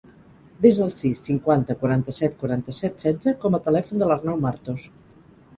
Desa el sis, cinquanta, quaranta-set, quaranta-set, setze com a telèfon de l'Arnau Martos.